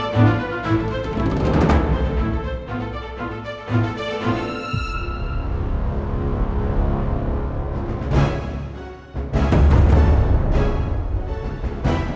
tapi tetep aja aku harus waspada